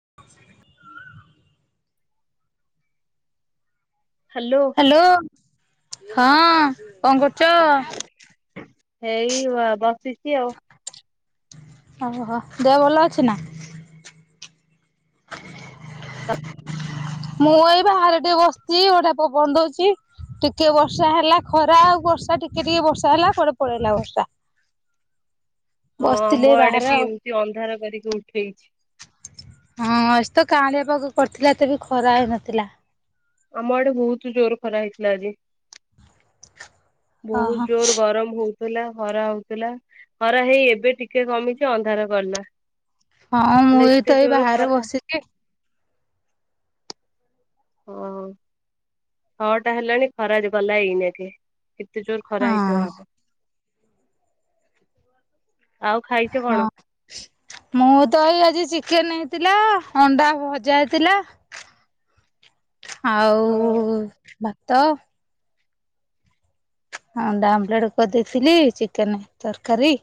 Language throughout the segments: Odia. [inaudible] ହାଲୋ। ହାଲୋ ହଁ କଣ କରୁ ହେଇ ବସିଚି ଆଉ। ଓହୋ ଦେହ ଭଲ ଅଛି ନା? ତ ମୁଁ ଏଇ ବାହାରେ ଟିକେ ବସିଚି ତାକୁ ବନ୍ଦଉଚି। ଟିକେ ବର୍ଷା ହେଲା ଖରା ଆଉ ବର୍ଷା ଟିକେ ଟିକେ ବର୍ଷା ହେଲା କୁଆଡେ ପଳେଇଲା ବର୍ଷା। ବସିଥିଲି ଏଇ ବାହାରେ ଆଉ। କି ଅନ୍ଧାର କରିକି ଉଠେଇଚି। ହଁ ଆଜି ତ କାଁଣିଆ ପାଖ କରିଥିଲା ଏତେ ବି ଖରା ହେଇନଥିଲା। ଆମ ଆଡେ ବହୁତୁ ଜୋର ଖରା ହେଇଥିଲା ଆଜି। ବହୁ ଓହୋ ଜୋର ଗରମ ହଉଚି। ହଉଥିଲା ଖରା ହଉଥିଲା ଖରା ହେଇ ଏବେ ଟିକେ କମିଚି ଅନ୍ଧାର କଲା। ହଁ ନହେଲେ ମୁଁ ଏତେ ତ ଏଇ ଜୋର ବାହାରେ ଖରା ବସିଚି। ଓ ହୋ ଛଅ ଟା ହେଲାଣି ଖରା ଜ ଗଲା ଏଇନାକେ ଏତେ ଜୋର ଖରା ହଁ ହେଇଥିବ ଆଉ ଖାଇ ହଁ। ମୁଁ ତ ଏଇ ଆଜି ଚିକେନ ହେଇଥିଲା ଅଣ୍ଡା ଭଜା ହେଇଥିଲା। ହଁ ଆଉ ଭାତ। ଅଣ୍ଡା ଆମ୍ବମ୍ଲେଟ୍ କରିଦେଇଥିଲି, ଚିକେନ ତରକାରୀ।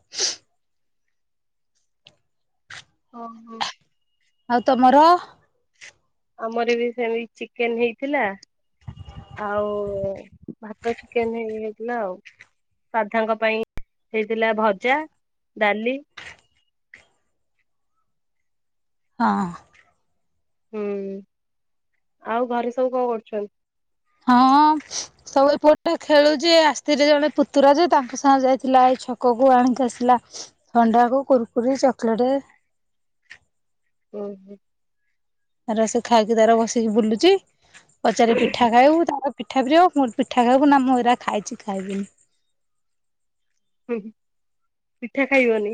ଓହୋ। ଆଉ ତମର? ଆମର ବି ସେମିତ୍ ଚିକେନ ହେଇଥିଲା। ଆଉ ଭାତ ଚିକେନ୍ ହେଇଥିଲା ଆଉ। ସାାଦ୍ଧାଙ୍କ ପାଇଁ ହେଇଥିଲା ଭଜା ଡାଲି। ହଁ। ହୁଁ। ଆଉ ଘରେ ସବୁ କଣ କରୁଚନ୍ତି? ହଁ। ସବୁବେଳେ ପୁଅଟେ ଖେଳୁଚି ଆସିଥିଲେ ଜଣେ ପୁତୁରା ଯେ ତାଙ୍କ ସାଙ୍ଗ ଯାଇଥିଲା ଏଇ ଛକକୁ ଆଣିକି ଆସିଲା। ଥଣ୍ଡାକୁ କୁୁରୁକୁରି ଚକେଲେଟ୍। ହୁଁ। ତାର ସେ ଖାଇକି ତାର ବସିକି ବୁଲୁଚି, ପଚାରି ପିଠା ଖାଇବୁ ତାର ପିଠା ପ୍ରିୟ। ମୁଁ ପିଠା ଖାଇବୁ ନା ମୁଁ ଏଇରା ଖାଇଚି ଖାଇବିନି। ହୁଁ ପିଠା ଖାଇବନି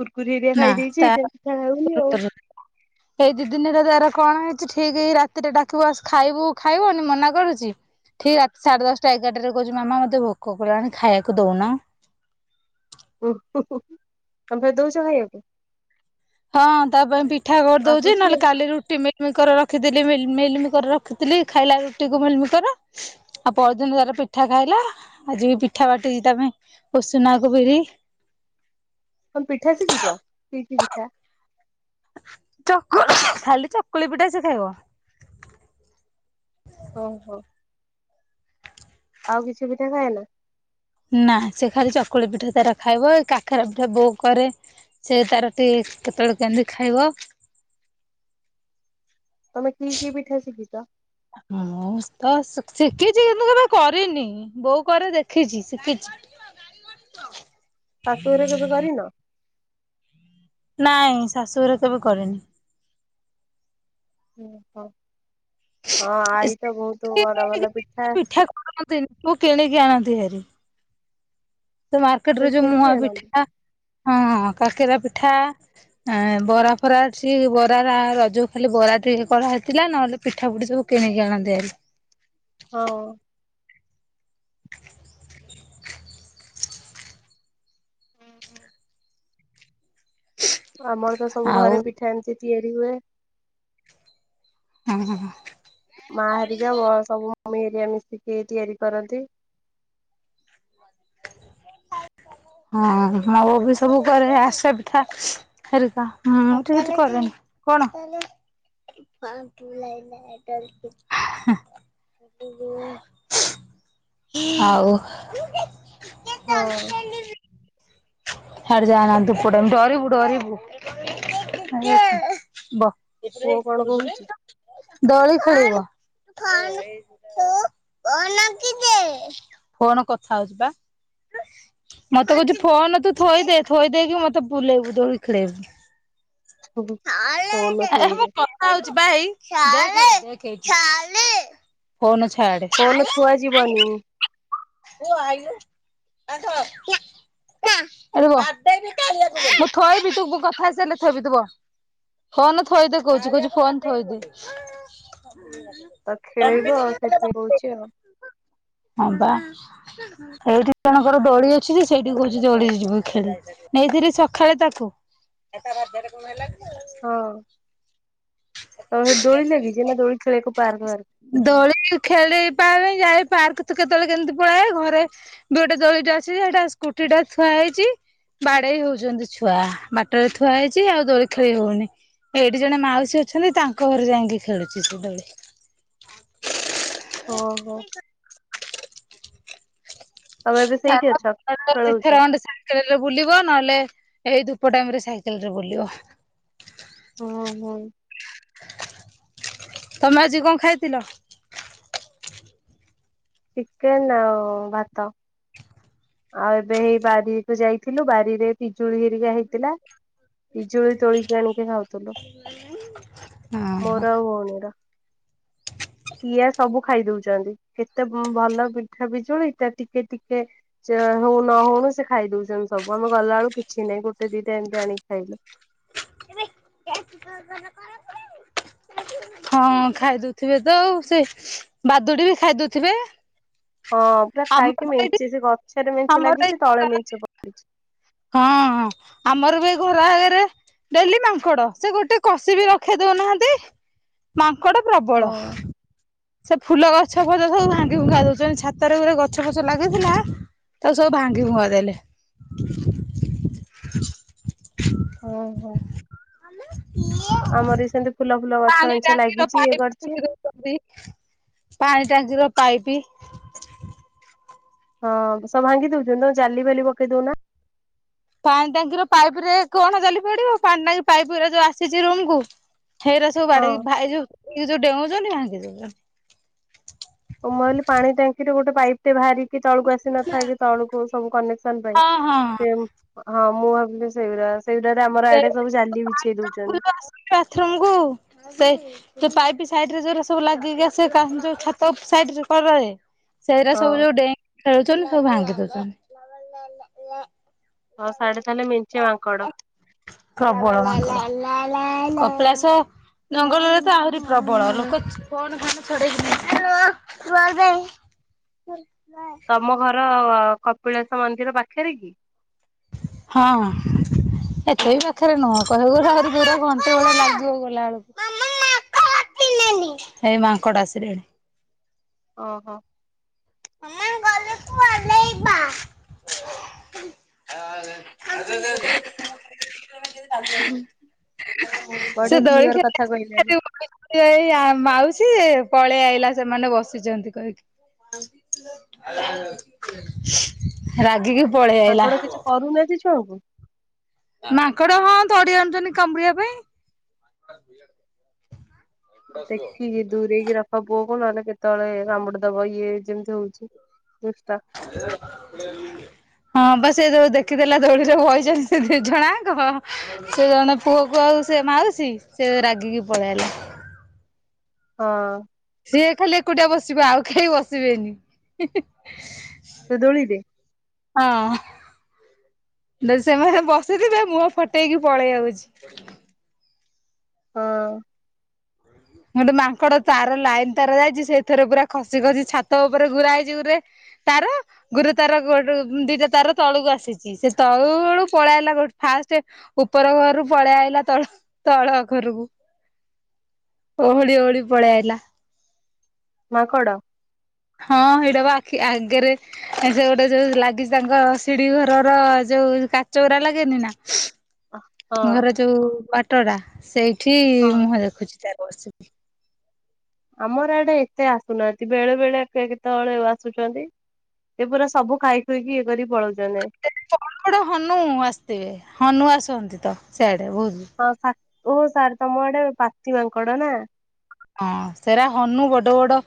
କୁୁରୁକୁରି ହେରିଆ ଖାଇ ଦେଇେଇଚି ସେଥିପାଇଁ ପିଠା ଖାଉନି ଆଉ। [inaudible] ସେଇ ଦି ଦିନିରେ ଆର କଣ ହେଇଚି ଠିକ୍ ରାତିରେ ଡାକିବୁ ଆସେ ଖାଇବୁ ଖାଇବନି ମନା କରୁଚି। ଠିକ୍ ରାତି ସାଢେ ଦଶଟା ଏଗାରଟାରେ କହୁଚି ମାମା ମତେ ଭୋକ କଲାଣି ଖାଇଆକୁ ଦଉନ। ତମେ ଫେର୍ ଦଉଚ ଖାଇଆକୁ? ହଁ ତା ପାଇଁ ପିଠା କରିଦଉଚି ନ ମାଗୁଛି ଏଲେ ଆଉ କାଲି ରୁଟି ମି ମିଲ୍ ମିକର ରଖିଥିଲି ମିଲ୍ ମିକର ରଖିଥିଲି ଖାଇଲା ରୁଟିକୁ ମିଲ୍ ମିକର। ଆଉ ପଅରଦିନ ତାର ପିଠା ଖାଇଲା ଆଜି ବି ପିଠା ବାଟିଚି ତାପାଇଁ ପୋସେନାକୁ ବିରି। କଣ ପିଠା ଶିଖିଚ ଇଟିଲି ପିଠା? ଚକୁ ଖାଲି ଚକୁଳି ପିଠା ସେ ଖାଇବ। ଓହୋ। ଆଉ କିଛି ପିଠା ଖାଏନି? ନା, ସେ ଖାଲି ଚକୁଳି ପିଠା ତାର ଖାଇବ, କାକରା ପିଠା ବୋଉ କରେ ସେ ତାର ଟିକେ କେତେବେଳେ କେମିତି ଖାଇବ। ତମେ କି କି ପିଠା ସିଖିଛ? ମୁଁ ତ ଶିଖିଛି, କିନ୍ତୁ କେବେ କରିନି। ବୋଉ କରେ, ଦେଖିଛି, ଶିଖିଛି। ଶାଶୁଘରେ କେବେ କରିନ? ନାଇଁ ଶାଶୁଘରେ କେବେ କରିନି। ଓହୋ। ହଁ, ଆଇ ତ ବହୁତ ବଡ଼ ଭଲ ପିଠା କରନ୍ତିନି, ତୁ କିଣିକି ଆଣନ୍ତି ହେରି ସେ ମାର୍କେଟରେ ଯୋଉ କିଣିକି ମୁଆଁ ଆଣନ୍ତି। ପିଠା, ହଁ କାକେରା ପିଠା ଏଁ ବରା ଫରା ଅଛି, ବରାର ଆର ଯଉ ଖାଲି ବରା ଟ୍ରିକ୍ କରା ହେଇଥିଲା, ନହେଲେ ପିଠା ପିଠି ସବୁ କିଣିକି ଆଣନ୍ତି ଭାରି। ହଉ। ଆମର ତ ସବୁ ଆଉ ଘରେ ପିଠା ଏମିତି ତିଆରି ହୁଏ। ହଁ ହଁ। ମା ହେରିକା, ମୋ ସବୁ ମମି ହେରଆ ମିଶିକି ତିଆରି କରନ୍ତି। ହଁ, ହଁ, ମୋ ବୋଉ ବି ସବୁ କରେ, ଆରିସା ପିଠା ହରିକା। ହୁଁ, କିମିତି କରନ୍ତି? କଣ? [unintelligible] ଆଉ ହଁ। ହାଡେ ଯାଆନା, ଧୂପ ଟାଇମ୍, ଡରିବୁ ଡରିବୁ। ବ। ପୁଅ କଣ କହୁଛି ଦୋଳି ଖୋଳିବ। କଣ କଥା ହଉଛି ପା। ମତେ କହୁଛି ଫୋନ ତୁ ଥୋଇଦେ, ଥୋଇ ଦେଇକି ମତେ ବୁଲେଇବୁ, ଦୋଳି ଖେଳେଇବୁ। ଏ ହେ ଫୋନ ଥୋଇଦେ ମୁଁ କ କଥା ହଉଛି ପା ହେଇ। ଫୋନ ଛାଆଡେ। ଫୋନ ଥୁଆ ଯିବନି। ପୁଅ ଆଇଲୁ, ଆସ। ଏଇଠି ବ। ମୁଁ ଥୋଇବି, ତୁ କଥା ହେଇସାରିଲେ ଥୋଇବି। ତୁ ବ। ଫୋନ ଥୋଇଦେ କହୁଛି, କହୁଛି ଫୋନ ତ ଥୋଇଦେ। ଖେଳିବ ସେଥିପାଇଁ କହୁଛି ଆଉ [unintelligible] ହଁ ବା। ଏଇଠି ଜଣଙ୍କର ଦୋଳି ଅଛି ଯେ, ସେଇଠି କହୁଛି ଦୋଳି ଯିବ ଖେଳି। ନେଇଥିଲି ସକାଳେ ତାକୁ। ହଁ। ତ ସେଠି ଦୋଳି ଲାଗିଛି, ନା ଦୋଳି ଖେଳିବାକୁ ପାର୍କ ଆସ? ଦୋଳି ଖେଳି ପାରେ ଯାଏ ପାର୍କ କେତେବେଳେ କେମିତି ପଳାଏ। ଘରେ ଦୁଇଟା ଦୋଳିଟା ଅଛି, ହେଇଟା ସ୍କୁଟି ଟା ଥୁଆ ହେଇଛି। ବାଡେଇ ହଉଛନ୍ତି ଛୁଆ। ବାଟରେ ଥୁଆ ହେଇଛି, ଆଉ ଦୋଳି ଖେଳି ହଉନି। ଏଇଠି ଜଣେ ମାଉସୀ ଅଛନ୍ତି, ତାଙ୍କ ଘରେ ଯାଇକି ଖେଳୁଛି ସେ ଦୋଳି। ଓହୋ। ତମେ ଏବେ [unintelligible] ସେଇଠି ଅଛ? ଦି ଖେଳଉଛ ଥର ଖଣ୍ଡେ [unintelligible] ସାଇେଲରେ ବୁଲିବ, ନହେଲେ ଏଇ ଧୂପ ଟାଇମରେ ସାଇକେଲରେ ବୁଲିବ। ହଁ ହଁ। ତମେ ଆଜି କଣ ଖାଇଥିଲ? ଚିକେନ ଆଉ ଭାତ। ଆଉ ଏବେ ହେଇ ବାରିକୁ ଯାଇଥିଲୁ ବାରିରେ ପିଜୁଳି ହେରିକା ହେଇଥିଲା। ପିଜୁଳି ତୋଳିିକ ଆଣିକି ଖାଉଥୁଲୁ। ହ ମୋର ଆଉ ଭଉଣୀର। ହଁ ଟିଆ ସବୁ ଖାଇ ଦଉଛନ୍ତି କେତେ ଭଲ ପିଠା ବିିଜୁଳି ତା ଟିକେ ଟିକେ ସେ ହଉ ନ ହଉଣୁ ସେ ଖାଇଦଉଛନ୍ତି ସବୁ ଆମେ ଗଲାବେଳୁ କିଛି ନାହିଁ ଗୋଟେ ଦିଟା ଏମିତି ଆଣିକି ଖାଇଲୁ। [unintelligible] ହଁ ଖାଇଦଉଥିବେ ତ ଆଉ ସେ ବାଦୁଡି ବି ଖାଇଦଉଥିବେ? ହଁ ପୁରା ଆମର ଖାଇକି ତ ଏଇଠି ମେଞ୍ଚେ ସେ ଗଛରେ ମେଞ୍ଚେ ଆମର ଲାଗିଛି ତଳେ ଏଇ ମେଞ୍ଚେ ପକେଇଛି। ହଁ ହଁ ଆମର ବି ଘୁରା ହେଇକରି ଡେଲି ମାଙ୍କଡ ସେ ଗୋଟେ କଷି ବି ରଖେଇ ଦଉନାହାନ୍ତି ମାଙ୍କଡ ପ୍ରବଳ। ହଁ। ସେ ଫୁଲ ଗଛ ଫଛ ସବୁ ଭାଙ୍ଗି ଭୁଙ୍ଗା ଦଉଛନ୍ତି ଛାତରେ ଗୁରେ ଗଛ ଫଛ ଲାଗିଥିଲା ତାକୁ ସବୁ ଭାଙ୍ଗି ଭୁଙ୍ଗା ଦେଲେ। ହୁଁ ହୁଁ [inaudible] ଆମର ବି ସେମତି ଫୁଲ ଫୁଲ ଗଛ ପାଣି ମେଞ୍ଚେ ଟାଙ୍କିର ଲାଗିଛି ଇଏ ପାଇପ୍ କରଚି। ପାଣି ଟାଙ୍କିର ପାଇପି ହଁ ସବୁ ଭାଙ୍ଗି ଦଉଛନ୍ତି ତମେ ଜାଲି ଫାଲି ପକେଇ ଦଉନା। ପାଣି ଟାଙ୍କିର ପାଇପ ରେ କଣ ଜାଲି ପଡିବ ପାଣି ଟାଙ୍କି ପାଇପ ଗୁରା ଜଉ ଆସିଛି ରୁମକୁ। ହେଇରା ସବୁ ହଁ। ବାଡେଇକି ଭା ଏ ଯୋଉ ଏ ଯୋଉ ଡେଉଉଁଛନ୍ତି ଭାଁଗୁଚି। ଓ ମୁଁ କହିଲ ପାଣି ଟାଙ୍କିରେ ଗୋଟେ ପାଇପ୍ ଟେ ବାହାରିକି ତଳକୁ ଆସିିଚି। କିଛି ନଥାଇକି ତଳୁକୁ ସବୁ କନେକ୍ସନ ପାଇଁ ହଁ ହଁ। ସେ ହଁ ମୁଁ ଭାବିଲି ସେଇଡା ସେଗୁଡାଡେ ଆମର ଆଡେ ସବୁ ଜାଲି ବିଛେଇ ଦଉଛନ୍ତି। ବାଥରୁମ କୁ ସେ ଯୋଉ ପାଇପ ସାଇଡ ରେ ଯୋଉରା ସବୁ ଲାଗିକି ଆସେ ଜଉ ଛାତ ସାଇଡ କରରେ। ସେଇରା ସବୁ ହଉ ଯୋଉ ଡେଇଁକି ଖେଳୁଛନ୍ତି ସବୁ ଭାଙ୍ଗି ଦଉଛନ୍ତି। ହଁ ସାଢେ ତାହଲେ ମେଞ୍ଚେ ମାଙ୍କଡ। ପ୍ରବଳ କପିଲାସ। ଜଙ୍ଗଲରେ ତ ଆହୁରି ପ୍ରବଳ ଲୋକ କଣ କାମ ଛଡେଇ [inaudible] ତମ ଘର କପିଳାଶ ମନ୍ଦିର ପାଖରେ କି? ହଁ। ଏଠେବି ପାଖରେ ନୂହଁ କହିବାକୁ ଗଲେ ଆହୁରି ପୁରା ଘଣ୍ଟେ ଭଳିଆ ଲାଗିବ ଗଲା ବେଳକୁ। ହେଇ ମାଙ୍କଡ ଆସିଲେଣି। ଓହୋ। [unintelligible] [unintelligible] [inaudible] ବଢିଆ କ୍ଲିୟର କଥା କହିଲାଣି। ଏଇ ମାଉସି ଏ ପଳେଇ ଆଇଲା ସେମାନେ ବସିଛନ୍ତି କହିକି। ରାଗିକି ପଳେଇ ଆାଇଲା। ମାଙ୍କଡ କିଛି କରୁନାହାନ୍ତି ଛୁଆଙ୍କୁ। ମାଙ୍କଡ ହଁ ତଡି ଆଣୁଛନ୍ତି କାମୁଡିବା ପାଇଁ। ଆୁ ଦେଖିକି, ଦୂରେଇକି ର ଖ ପୁଅକୁ ନହେଲେ କେତେବେଳେ କାମୁଡି ଦବ ଇଏ ଯେମିତି ହଉଛି, ଦୁଷ୍ଟ। ଏ [unintelligible] ହଁ ବା, ସେ ଯୋଉ ଦେଖିଦେଲା ଦୋଳିରେ ବଇଛନ୍ତି ସେ ଦିଜଣ ଆଙ୍କ ସେ ଜଣେ ପୁଅ କୁ ଆଉ ସେ ମାଉସି, ସେ ରାଗିକି ପଳେଇ ଆଇଲା। ହଁ। ସିଏ ଖାଲି ଏକୁଟିଆ ବସିବ, ଆଉ କେହି ବସିବେନି। ତା ଦୋଳିିରେ? ହଁ। ଯଦି ସେମାନେ ବସିଥିବେ, ମୁହଁ ଫଟେଇକି ପଳେଇ ଆଉଚି। ହଁ। ଗୋଟେ ମାଙ୍କଡ ତାର ଲାଇନ୍‌ ତାର ଯାଇଛି ସେଇଥେରେ ପୁରା ଖସି ଖସି ଛାତ ଉପରେ ଗୁରା ହେଇଛି ଗୁରେ ତାର? ଗୁରେ ତାର ଗୋଡ ଦିଟା ତାର ତଳକୁ ଆସିଛି, ସେ ତଳୁ [unintelligible] ପଳାଇଲା ଫାଷ୍ଟ ଉପର ଘରୁ ପଳେଇ ଆଇଲା ତଳ ତଳ ଘରୁକୁ। ଓହଳି ଓହଳି ପଳେଇ ଆଇଲା। ମାଙ୍କଡ? ହଁ, ହେଇଟବା ଆଖି ଆଗେରେ ଯୋଉଟା ଯୋଉ ଲାଗିଛି ତାଙ୍କ ସିଡି ଘରର ଯୋଉ କାଚଉରା ଲାଗେନି ନା? ହଁ ଘର ଯୋଉ ବାଟ ଟା, ସେଇଠି ହଁ ମୁହଁ ଦେଖୁଛି ତାର ବସିକି। ଆମର ଆଡେ ଏତେ ଆସୁନାହାନ୍ତି, ବେଳେ ବେଳେ କେ କେତବେଳେ ଆସୁଚନ୍ତି, ଏ ପୁରା ସବୁ ଖାଇ ଖୁଇକି ଇଏ କରି ପଳଉଚନ୍ତି। କଣ [unintelligible] ହନୁ ଆସିଥିବେ, ହନୁ ଆସନ୍ତି ତ ସେଆଡେ ବହୁତ। ହଁ ଆ ଓ ସାର୍ ତମ ଆଡେ ପାତି ମାଙ୍କଡ ନା? ହଁ, ସେରା ହନୁ ବଡ ବଡ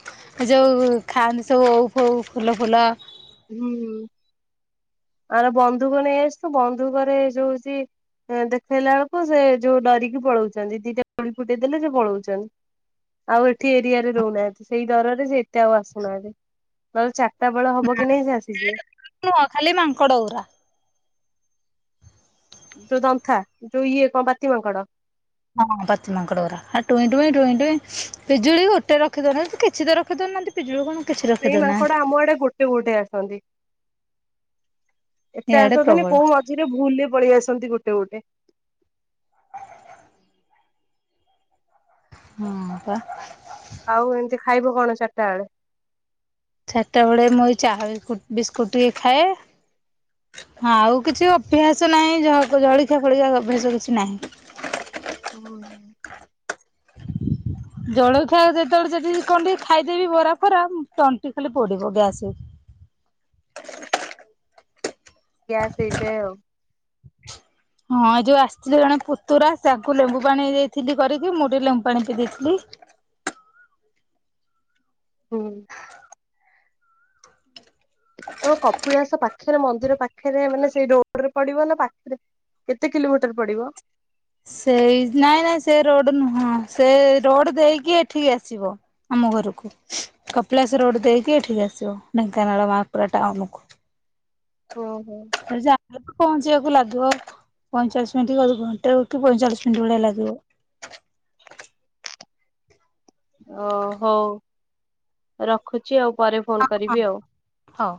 ଯୋଉ ଖାଆନ୍ତି ସବୁ ଓଉ ଫୋଉ, ଫୁଲ ଫୁଲ, [unintelligible] ଆର ବନ୍ଧୁକ ନେଇ ଆସିଚୁ, ବନ୍ଧୁକରେ ଯୋଉ ସି ଦେଖେଇଲା ବେଳକୁ ସେ ଯୋଉ ଡରିକି ପଳଉଛନ୍ତି, ଦିଟା ଗୁଳି ଫୁଟେଇ ଦେଲେ ସେ ପଳଉଛନ୍ତି। ଆଉ ଏଠି ଏରିଆରେ ରହୁନାହାନ୍ତି, ସେଇ ଡରରେ ସେ ଏତେ ଆଉ ଆସୁନାହାନ୍ତି, ନହେଲେ ଚାରିଟା ବେଳ ହବ ନା କି ନାଇଁ ସେ ଆସିଯିବେ। ନୁହଁ, ଖାଲି ମାଙ୍କଡ ଗୁରା। ଯୋଉ ଦନ୍ଥା, ଯୋଉ ଇଏ କଣ ପାତି ମାଙ୍କଡ। ହଁ ପାତି ମାଙ୍କଡ ଗୁରା, ଟୁଇଁ ଟୁଇଁ, ଟୁଇଁ ଟୁଇଁ, ପିଜୁଳି ଗୋଟେ ରଖି ଦଉନାହାନ୍ତି କିଛିତ ରଖି ଦଉନାହାନ୍ତି। ପିଜୁଳି କଣ, କିଛି ରଖେଇ ଦଉନାହାନ୍ତି। କେଉଁ ଗୋଟେ ଆସନ୍ତି, ଏତେ ଇଆଡେ ଆସନ୍ତିନି ପ୍ରବଳ କୋଉ ମ ଯୋଉରା ଭୁଲରେ ପଳେଇ ଆସନ୍ତି ଗୋଟେ ଗୋଟେ, ହଁ ପା। ଆଉ, ଏମିତି ଖାଇବ କଣ ଚାରିଟା ବେଳେ? ଚାରିଟା ବେଳେ ମୁଁଇ ଚାହା ବିସ୍କୁଟ୍, ବିସ୍କୁଟ୍ ଟିକେ ଖାଏ। ହଁ ଆଉ କିଛି ଅଭ୍ୟାସ ନାହିଁ, ଜ ଜଳଖିଆ ଫଳିକା ଅଭ୍ୟାସ କିଛି ନାହିଁ। [unintelligible] ଜଳଖିଆ ଯେତବେଳେ ଯଦି କଣ ଟିକେ ଖାଇଦେବି ବରା ଫରା, ତଣ୍ଟି ଖାଲି ପୋଡିବ ଗ୍ୟାସ ଗ୍ୟାସ୍‌ ହେଇଯାଏ ଆଉ। ହଁ ଯୋଉ ଆସିଥିଲେ ଜଣେ ପୁତୁରା, ତାଙ୍କୁ ଲେମ୍ବୁ ପାଣି ଦେଇଥିଲି କରିକି, ମୁଁ ଟିକେ ଲେମ୍ବୁ ପାଣି ପିଇ ଦେଇଥିଲି। ହୁଁ। ତମ କପିଳାସ ପାଖ ପାଖରେ ମନ୍ଦିର ପାଖରେ ମାନେ ସେଇ ରୋଡରେ ପଡିବ ନା ପାଖରେ କେତେ କିଲୋମିଟର ପଡିବ? ସେଇ ନାଇଁ ନାଇଁ ସେ ରୋଡ ନୁହଁ। ସେ ରୋଡ ଦେଇକି ଏଠିକି ଆସିବ। ଆମ ଘରକୁ କପିଳାସ ରୋଡ ଦେଇକି ଏଠିକି ଆସିବ ଢେଙ୍କାନାଳ ମହାପରା ଟାଉନ କୁ। ଓହୋ। ଯାହା ପହଞ୍ଚିବାକୁ ଲାଗିବ ଆ ପଇଁଚାଳିଶ ମିନିଟ କି ଆଉ ଘଣ୍ଟେକୁ ପଇଁଚାଳିଶ ମିନିଟ ଭଳିଆ ଲାଗିବ। ଓ ହଉ ରଖୁଛି ଆଉ ପରେ ହଁ ଫୋନ ହଁ କରିବି ଆଉ। ହଉ